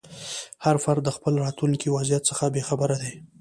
هر فرد د خپل راتلونکي وضعیت څخه بې خبره دی.